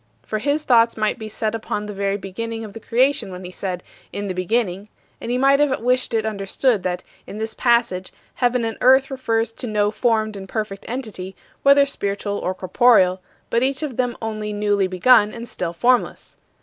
For his thoughts might be set upon the very beginning of the creation when he said, "In the beginning"; and he might have wished it understood that, in this passage, "heaven and earth" refers to no formed and perfect entity, whether spiritual or corporeal, but each of them only newly begun and still formless.